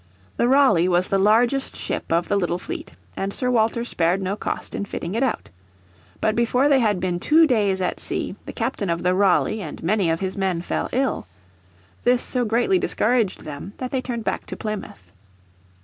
The Raleigh was the largest ship of the little fleet, and Sir Walter spared no cost in fitting it Out. But before they had been two days at sea the Captain of the Raleigh and many of his men fell ill. This so greatly discouraged them that they turned back to Plymouth.